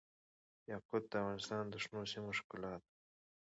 یاقوت د افغانستان د شنو سیمو ښکلا ده.